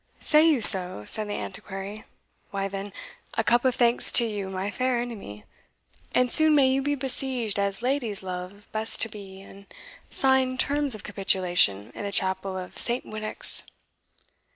"Say you so?" said the Antiquary: "why, then, a cup of thanks to you, my fair enemy, and soon may you be besieged as ladies love best to be, and sign terms of capitulation in the chapel of Saint Winnox!"